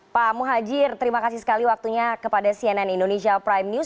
pak muhajir terima kasih sekali waktunya kepada cnn indonesia prime news